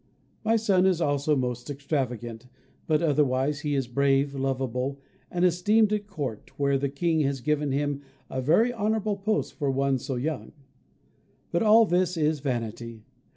My son is also most extravagant, but otherwise he is brave, loveable, and esteemed at court, where the King has given him a very honourable post for one so young. But all this is vanity.